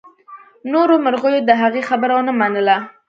نورو مرغیو د هغې خبره ونه منله.